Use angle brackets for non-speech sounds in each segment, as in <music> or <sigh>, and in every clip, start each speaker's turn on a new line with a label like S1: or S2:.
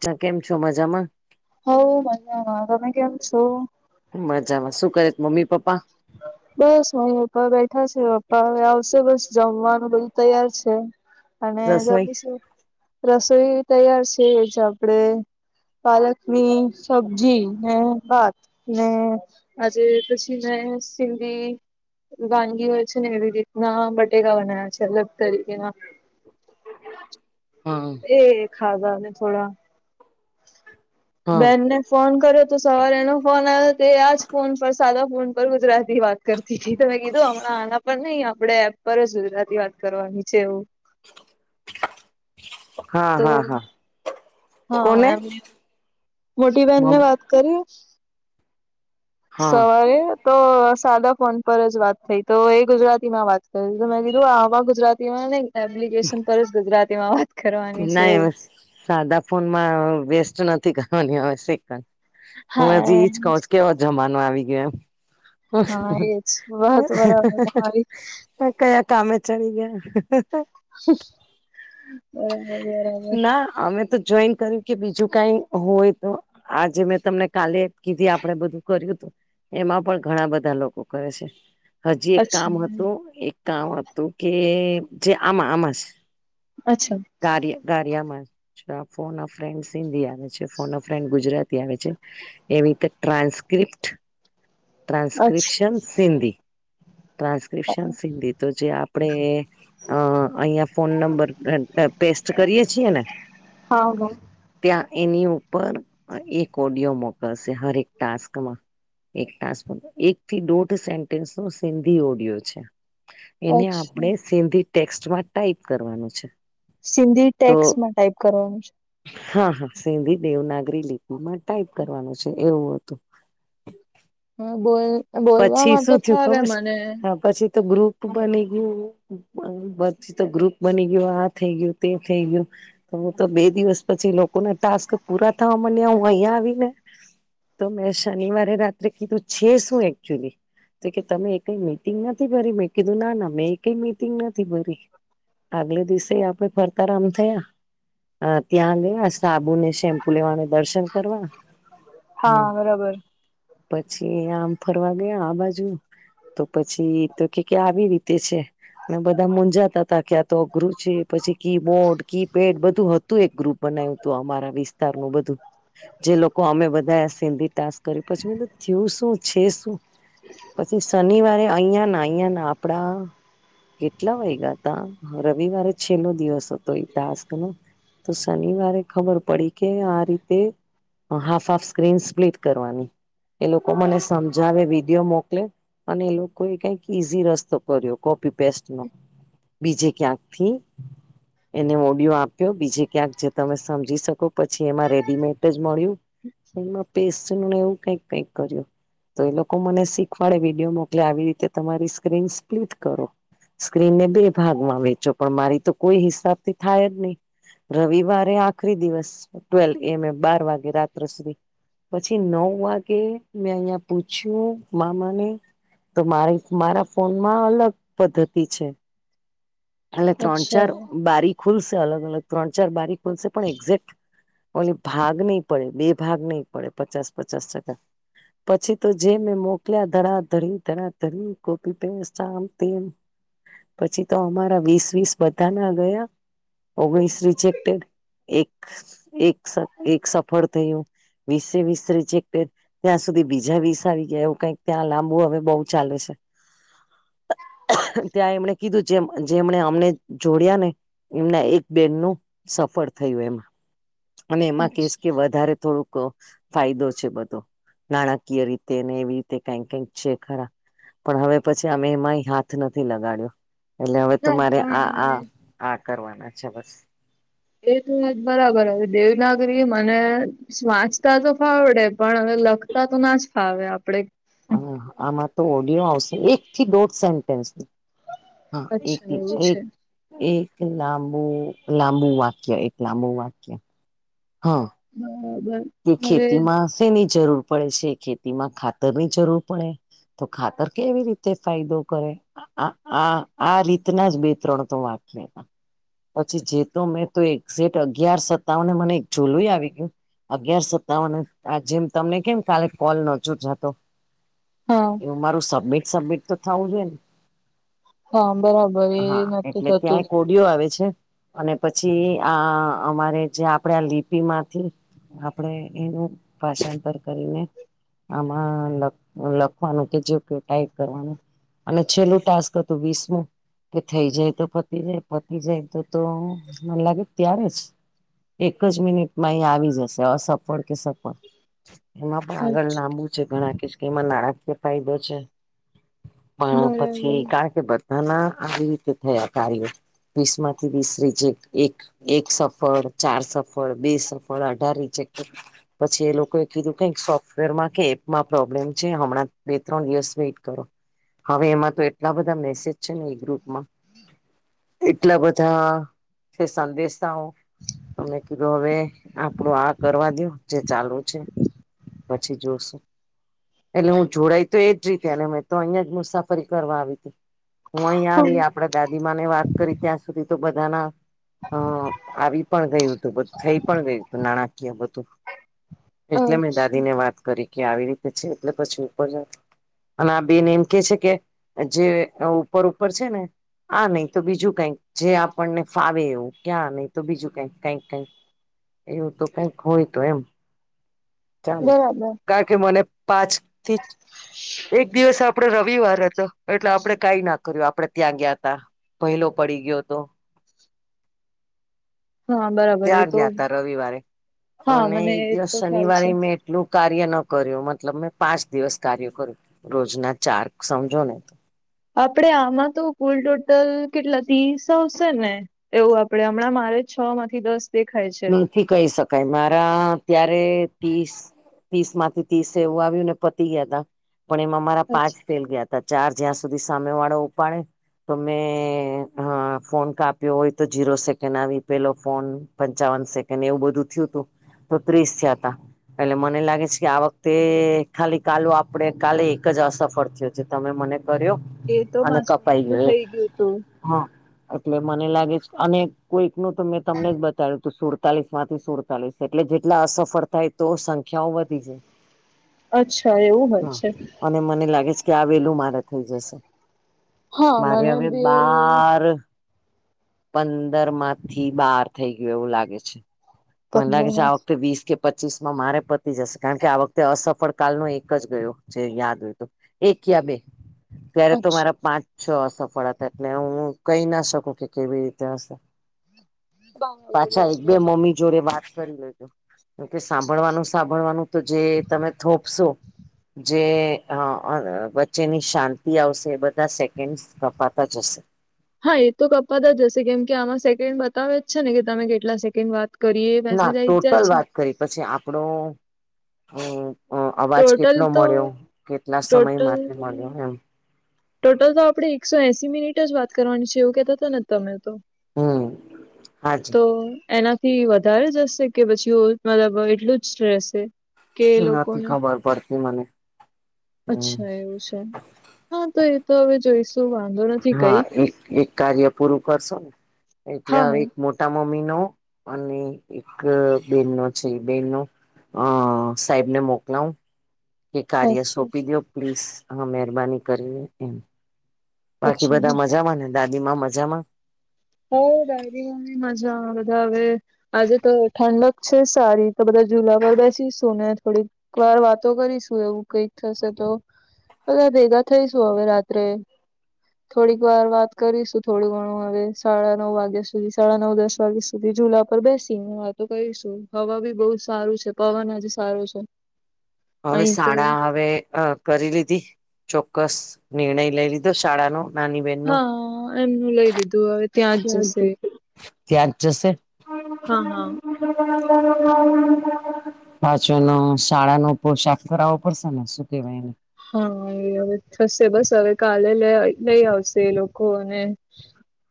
S1: ત કેમ છો? મજામાં.
S2: હવે મજામાં. તમે કેમ છો?
S1: મજામાં શું કરે? મમ્મી-પપ્પા.
S2: બસ અ પપ્પા બેઠા છે, પપ્પા હવે આવશે, બસ જમવાનું બધું તૈયાર છે. અને
S1: રસોઈ
S2: ગમીશું રસોઈ તૈયાર છે, જ આપણેે પાલકની સબ્જી ને, ભાત ને, આજે પછી જે સિધી વાનગી હોય છે ને, એવી રીતના બટેકા બનાવ્યા છે, અલગ તરીકેના.
S1: હા
S2: એ ખાધા ને થોડા
S1: હા
S2: બેનને ફોન કર્યો, તો સવારે એનો ફોન આવ્યો તો, આજ ફોન પર સાદા ફોન પર ગુજરાતી વાત કરતી ગઈ, તમે કીધું હમણા આના પર નઈ આપડે એપ પર જ ગુજરાતી વાત કરવાની છેે એવું. તો
S1: <unintelligible>
S2: હા,
S1: કોને
S2: એમની મોટી બહેનને
S1: મમ
S2: વાત કરી.
S1: હા
S2: સવારે. તો સાદા ફોન પર જ વાત થઈ તો, એ ગુજરાતીમાં વાત કરી, તો મેં કીધું આવા ગુજરાતીમાં ને. એપ્લિકેશન પર જ ગુજરાતી માં
S1: ના હવે સાદા ફોન માં વેસ્ટ નથી કરવાની હવે શ. હું હજી
S2: હા
S1: ઈજ કહ્યું છ કેવો જમાનો આવી ગયો એમ.
S2: હા એજ વાત બરાબર તમારી
S1: <unintelligible> ક કયા કામે ચડી ગયા
S2: <unintelligible> બરાબર
S1: ના અમે તો જોઈન કર્યું કે બીજું કઈ હોય તો આજે મેં તમને કાલે કીધી આપણેે બધું કર્યું હતું એમાં પણ ઘણા બધા લોકો કરે છે. હજી એક કામ
S2: અચ્છા
S1: હતું એક કામ હતું કે જે આમાં આમાં જ.
S2: અચ્છા.
S1: કાયૅ કાયૅમાં જ ફોન ફ્રેન્ડ શીડયા જે ફોન ફેન્ડ ગુજરાતી આવે છે એવી રીતે ટ્રાન્સ્ક્રિપ્ટ
S2: અચ્છા
S1: ટ્રાન્સક્રિપ્શન સિંધી ટ્રાન્સ્ક્રિપ્શન સિંધી તો જે આપણે અ અહીંયા ફોન નંબર પેસ્ટ કરીએ છીએ ને.
S2: હા હા
S1: ત્યાં એની ઉપર એક ઓડિયો મોકલશે હરેક ટાસ્કમાં એક ટાસ્ક પર એક થી દોઢ સેન્ટેન્સ ન સિંધી ઓડિયો છે. એને
S2: અચ્છા
S1: આપણે સિંધી ટેક્સ્ટમાં ટાઈપ કરવાનું છે.
S2: સિંધી
S1: તો
S2: ટેક્સ્ટમાં ટાઈપ કરવાનું છે.
S1: હા હા સિંધી દેવ નાગરી લિપિમાં ટાઈપ કરવાનું છે એવું હતું.
S2: હા બોલ.
S1: પછી
S2: બોલવામાં તો
S1: શું થયું
S2: ફાવે
S1: ખબર છે
S2: મને.
S1: હા પછી તો ગ્રુપ ગુરુપ બની ગયું પછી તો ગ્રુપ બની ગયું આ થઈ ગયું તે થઈ ગયું. હું તો બે દિવસ પછી લોકો ના ટાસ્ક પૂરા થવા મડ્યા હું અહિયા આવી ને તો મેં શનિવારે રાત્રે કીધું છે શું એકચુલી તો કે તમે કઈ મિટિંગ નથી ભરી મેં કીધું ના ના મેં એક ક મિટિંગ નથી ભરી આગલે દિવસે આપે ફરતા રામ થયા. અ ત્યાં લેવા સાબુને શેમ્પુ લેવાને દર્શન કરવા. હમ
S2: હા બરોબર.
S1: પછી આમ ફરવા ગયા આ બાજુ તો પછી તો કે આવી રીતે છે. અને બધા મુંજાતા તા કે આતો અઘરું છે પછી કીબોર્ડ કીપેડ બધું હતું તું એક ગ્રુપ બનાવ્યું તું અમારા વિસ્તાર નું બધું. જે લોકો અમે બધા સિંધી ટાસ્ક કયુઁ પછી થયું શું. છે શું પછી શનિવારે અહિયા ના અહિયા ના આપડા કેટલા વાયગા હતા રવિવારે છેલ્લો દિવસ હતો એ ટાસ્ક નો તો શનિવારે ખબર પડી કે આ રીતે હાફ હાફ સ્ક્રીન સ્પ્લીટ કરવાની એ લોકો મને સમજાવે વિડીયો મોકલે અને એ લોકોએ કઈક ઈઝી રસ્તો કર્યો કોપી પેસ્ટ નો બીજે ક્યાંક થી. એને ઓડિયો આપ્યો બીજે ક્યાંક જે તમે સમજી શકો પછી એમાં રેડીમેડ મળ્યું એમાં પેસ્ટને એવું કઈક કઈક કર્યું. તો એ લોકો મને શીખવાડે વિડીયો મોકલે આવી રીતે તમારી સ્ક્રીન સ્પ્લીટ કરો. સ્ક્રીનને બે ભાગમાં વેચો પણ મારી તો કોઈ હિસાબથી થાય જ નહી. રવિવારે આખરી દિવસ ટુવેલ એમ એ બાર વાગે રાત્રે સુધી. પછી નવ વાગે મેં અહિયાં પૂછ્યું, મામાને તો મારી મારા ફોનમાં અલગ પદ્ધતિ છે. એટલે ત્રણ-ચાર
S2: અચ્છા
S1: બારી ખુલશે, અલગ-અલગ, ત્રણ-ચાર બારી ખુલશે, પણ એક્ઝેક્ટ. ઓલી ભાગ નહી પડે, બે ભાગ નહી પડે, પચાસ-પચાસ ટકા. પછી તો જે મેં મોકલ્યા, ધરા ધરી, ધરા ધરી કોપી પેસ્ટ આમ તેમ. પછી તો અમારે વીસ-વીસ બધા ના ગયા, ઓગણીસ રિજેક્ટેડ એક એક એક સફળ થયું, વિસે-વિસ રિજેક્ટેડ. ત્યાં સુધી બીજા વીસ આવી ગયા, એવું કઈક ત્યાં લાંબુ હવે બહુ ચાલે છે. ત્યાં એમણે કીધું છે. એમણે અમને જોડયા ને, એમના એક બેન નું સફળ થયું એમાં. અને એમાં કેસ
S2: અચ્છા
S1: કે, વધારે થોડુંક ફાયદો છે, બધો નાણાકીય રીતે ને, એવી રીતે કઈક કઈક છે ખરા. પણ હવે પછી અમે એમાંય હાથ નથી લગાડ્યો. એટલે હવે
S2: ના
S1: તમારે આ આ
S2: પણ
S1: આ કરવાના છે, બસ.
S2: એ તો વાત બરાબર હ, દેવનાગરી મને વાંચતા તો ફાવડે, પણ હવે લખતા તો ના જ ફાવે આપડે.
S1: હ, આમાં તો ઓડિયો આવશે, એક થી દોઢ સેન્ટેન્સનો. હા,
S2: અચ્છા
S1: એકથી
S2: એવું છે
S1: એક. એક લાંબુ-લાંબુ વાક્ય એક લાંબુ વાક્ય. હ.
S2: બરાબર.
S1: કે
S2: હવે
S1: ખેતીમાં શેની જરૂર પડે છે, ખેતીમાં ખાતર ની જરૂર પડે. તો ખાતર કેવી રીતે ફાયદો કરે? આ આ આ રીતના જ બે-ત્રણ તો વાંકયો હતા. પછી જેતો મેં તો એકઝેટ અગિયાર સત્તાવને, મને એક ઝોલું ય આવી ગયું. અગિયાર સત્તાવને આ જેમ તમને કેમ કાલે કોલ નતો જતો.
S2: હા
S1: એવું મારું સબમિટ સબમિટ તો થવું જોવે ને.
S2: હા, બરાબર એ
S1: હા
S2: નતું
S1: એટલે ત્યાં
S2: થતું.
S1: એક આવે છે, અને પછી આ અમારે જે આપડે આ લિપિમાંથી આપડે એનું ભાષાંતર કરીને. આમાં લખવાનું કે, જે કે ટાઈપ કરવાનું. અને છેલ્લું ટાસ્ક હતું વીસમું. કે થઈ જાય તો, પતિ જાય, પતિ જાય તો, તો મને લાગે ત્યારે જ એક જ મિનિટમાં એ આવી જાય. અસફળ કે સફળ એમાં પણ આગળ
S2: અચ્છા
S1: લાંબુ છે, ઘણા કે એમાં નાણાકીય ફાયદો છે, પણ
S2: બરાબર
S1: પછી કારણ કે બધ હ ના, આવી રીતે થયા કાર્યો. વીસમાંથી વીસ રિજેક્ટ, એક-એક સફળ, ચાર સફળ બે સફળ. બધા રિજેક્ટ જ. પછી એ લોકોએ કીધું, કઇ સોફ્ટવેરમાં કે, એપમાં પ્રોબ્લેમ છે, હમણાં બે-ત્રણ દિવસ વેઇટ કરો. હવે એમાં તો એટલા બધા મેસેજ છે ને, એ ગ્રુપમાં. એટલા બધા છે, સંદેશાઓ તમને કીધું હવે. આપડું આ કરવા દો જે ચાલુ છે. પછી જોશું. એટલે હું જોડાય તો એજ જગ્યા અને મેં તો અહિયાં જ મુસાફરી કરવા આવી હતી. હું અહીંયા આવી આપડા દાદીમાને વાત કરી ત્યાં સુધી તો બધાના અ આવી પણ ગયું હતું બધું થઈ પણ ગયું હતું નાણાકીય બધું એટલે મે દા
S2: અચ્છા
S1: વાત કરી કે આવી રીતે છે એટલે પછી ઉપર જ અમે આ બેને એમ કે છે કે જે ઉપર ઉપર છે ને આ નઈ તો બીજું કઈક જે આપણને ફાવે એવું ક્યાં નઈ તો બીજું કઈક કઈક કઈક એવું તો કઈક હોય તો એમ ચાલે
S2: બરાબર
S1: કારણ કે મને પાંચ થી જ એક દિવસ આપડો રવિવાર હતો એટલે આપણે કાઈ ના કર્યું આપડે ત્યાં ગયાં તા ભયલો પડી ગયો હતો.
S2: હા બરાબર એ
S1: ત્યાં
S2: તો
S1: ગયા તા રવિવારે
S2: હા
S1: અને
S2: મને
S1: એક
S2: એ
S1: દિવસ
S2: તો ખ્યાલ છે.
S1: શનિવારે મે એટલું કાર્ય ન કર્યું મતલબ મેં પાંચ દિવસ કાર્ય કર્યું. રોજનાં ચારક સમજોને
S2: આપડે આમાં તો કુલ ટોટલ કેટલા તીસ સો સો ને એવું આપડે હમણાં મારે છ માંથી દસ દેખાય છે.
S1: થી કહી શકાય મારા ત્યારે તીસ તીસ માંથી તીસ એવું આવ્યુંને પતી ગયા ત પણ એમાં મારા પાંચ
S2: અચ્છા
S1: ફેલ ગયા હતા. ત ચાર જ્યાં સુધી સામે વાળો ઉપાડે તો મેં હા ફોન કાપ્યો હોય તો જીરો સેકન્ડ આવી પેલો ફોન પંચાવન સેકન્ડ એવું બધું થયું તું તો ત્રીસ થયા તા એટલે મને લાગે છે કે આ વખતે ખાલી કાલ આપણે કાલે એક જ અસફળ થિવ. જ તમે મને કર્યો.?
S2: એ તો
S1: અને
S2: પાંચ મિનિટ
S1: કપાઈ
S2: નું
S1: ગયો એ
S2: થઇ ગયું તું.
S1: હા એટલે મને લાગે છે અને કોઈક નું તો મેં તમને બ તારે તું સુડતાલીસ માંથી સુડતાલીસ એટલે જેટલા અસફળ થાય તો સંખ્યાઓ વધી જાય. <unintelligible>
S2: અચ્છા એવું હોય
S1: હા
S2: છે.
S1: અને મને લાગે છે કે આ વેલું મારે થઈ જશે.
S2: હા
S1: મારે
S2: મને
S1: હવે
S2: બી
S1: બાર પંદર માં થી બાર થઈ ગયું એવું લાગે છે મને લાગે છે આ વખતે વીસ કે પચીસ માં મારે પતી જશે કારણ કે આ વખતે અસફળ કાલ નો એક જ ગયો જે યાદ હોય તો એક યા બે. અત્યારે તો મારા પાંચ છ અસફળ હતા એટલે હું કહી ના શકું કે કેવી રીતે હશે પાછા એક બે મમ્મી જોડે વાત કરી લેજો. તો કે સાંભળવાનું સાંભળવાનું તો જે તમે થોપશો. જે અ અ વચ્ચેની શાંતિ આવશે બધા સેકન્ડ કપાતાં જશે.
S2: હા એ તો કપાતા જ હશે કેમ કે આમાં સેકન્ડ બતાવે જ છે ને કે તમે કેટલા સેકન્ડ વાત કરીએ વસે જઈ જ જ છે.
S1: કઈક પછી આપણું અ. અ અવાજ
S2: ટોટલ
S1: કેટલો
S2: તો
S1: મળ્યો કેટલા સમય
S2: ટોટલ
S1: માટે મળ્યો એમ
S2: ટોટલ તો આપણે એકસો એસી મિનિટ જ વાત કરવાની છે એવું કેતા હતા ને તમે તો.
S1: હમ આજ.
S2: તો એનાથી વધારે જશે કે પછી ઓ મતલબ એટલું જ રહેશે. કે એ
S1: નથી
S2: લોકોને
S1: ખબર પડતી મને હમ
S2: અચ્છા એવું છે. હા, તો એ તો હવે જોઈશું વાંધો. નથી
S1: હા,
S2: કઈક
S1: એક એક કાર્ય પૂરું કરશો ને, એટલે
S2: હા
S1: હવે
S2: હા
S1: મોટા મમ્મી નો, અને એક બેન નો છે, બેનનો. અ સાહેબને મોકલા. કે કાર્ય
S2: અચ્છા
S1: સોંપી દો, પ્લીઝ હ, મહેરબાની કરીને એમ. બાકી
S2: અચ્છા
S1: બધા
S2: હા
S1: મજામાં ને, દાદી માં મજામાં?
S2: હ, દાદીમા, મમ્મી મજા બધા. હવે આજે તો ઠંડક છે, સારી તો બધા જૂલા પર બેસી સોને થોડી. એક વાર વાતો કરીશું, એવું કઈક થશે તો. બધા ભેગા થઈશું, હવે રાત્રે થોડીક વાર વાત કરીશું, થોડું ઘણું હવે. સાડા નવ વાગ્યા સુધી, સાડા નવ દસ વાગ્યા સુધી, જુલા પર બેસી ને વાતો કરીશું. હવા બી બહુ સારું છે, પવન આજે સારું છે.
S1: હવે
S2: અહી તો
S1: શાળા હવે કરી લીધી, ચોક્કસ નિર્ણય લઈ લીધો, શાળા નો.
S2: હા, એમનું લઈ લીધું હવે. ત્યાં જ જશે
S1: ત્યાં જ જશે. હમ.
S2: હા હા
S1: પાછ નું શાળા નો પોશાક કરાવવો પડશે ને, શું કેવાય એને?
S2: હા, એ હવે થશે, બસ હવે કાલે લ લઈ આવશે એ લોકોને.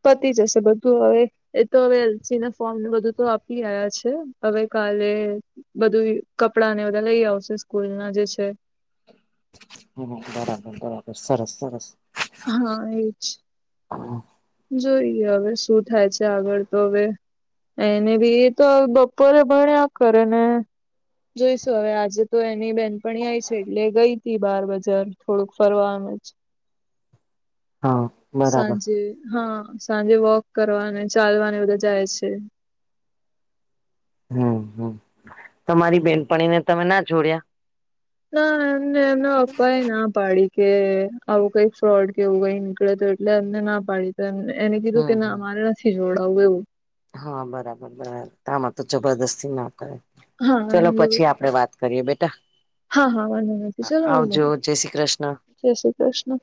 S2: પતી જશે, બધું હવે. એ તો હવે એલસી ના ફોર્મને, બધું તો આપી આવ્યા છે, હવે કાલે બધું કપડા ને, બધા લઈ આવશે સ્કૂલ ના જે છે.
S1: હ, બરાબર, બરાબર, સરસ, સરસ.
S2: હા, એજ. જોઈએ, હવે શું થાય છે? આગળ તો હવે. એને બી એ તો બપોરે ભણ્યા કરે ને. જોઈશું, હવે આજે તો એની બેનપણી આયી છે, એટલે ગઈ હતી, બાર બજાર થોડુંક ફરવામ જ
S1: <unintelligible> હા બરાબર
S2: સાંજે. હા, સાંજે વોક કરવાને, ચાલવાને બધા જાય છે.
S1: હમ, હમ. તમારી બેનપણી ને, તમે ના જોડ્યા.
S2: ના, એમને એમના પપ્પા એ ના પાડી કે, આવું કઈ ફ્રોડ કે, એવું કઈ. નીકળે તો, એટલે એમને ના પાડી તો, એને કીધું
S1: હમ
S2: કે,
S1: હમ
S2: ના મારે નથી જોડાવું એવું.
S1: હા, બરાબર, બરાબર આમાં તો જબરદસ્તી ના કરે,
S2: હા
S1: ચલો પછી આપડે વાત કરીયે બેટા.
S2: હા, હા, વાંધો નથી, ચલો, હું
S1: આવજો
S2: મૂકું
S1: જય શ્રી કૃષ્ણ
S2: જય શ્રી કૃષ્ણ.